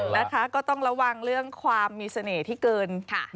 นะคะก็ต้องระวังเรื่องความมีเสน่ห์ที่เกินค่ะ